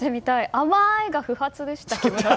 甘ーいが不発でしたけど。